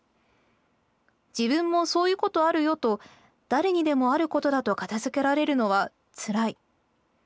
『自分もそういうことあるよ』と誰にでもあることだと片付けられるのはつらい。